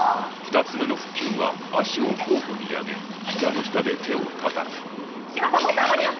２つ目の腹筋は足を交互に上げ膝の下で手をたたく嶋佐もっと上がるよ。